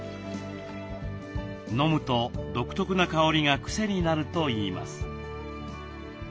飲むと独特な香りがクセになるといいます。